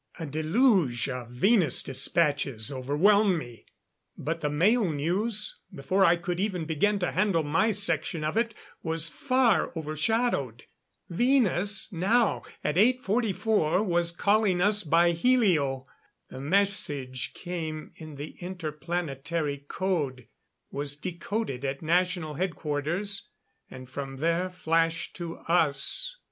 A deluge of Venus despatches overwhelmed me. But the mail news, before I could even begin to handle my section of it, was far overshadowed. Venus, now at 8:44 was calling us by helio. The message came in the inter planetary code, was decoded at National Headquarters, and from there flashed to us.